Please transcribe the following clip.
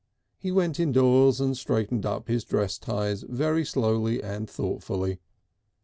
He went indoors and straightened up his dress ties very slowly and thoughtfully.